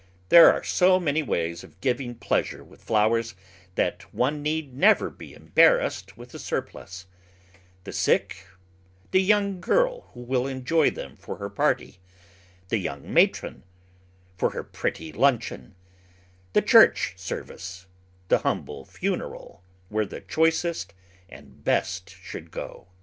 There are so many ways of giving pleasure with flowers that one need never be embarrassed with a surplus: the sick; the young girl who will enjoy them for her party; the young matron, for her prettty luncheon; the church service, the humble funeral, where the choicest and best should go.